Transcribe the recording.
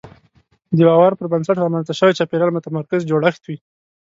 د باور پر بنسټ رامنځته شوی چاپېریال متمرکز جوړښت وي.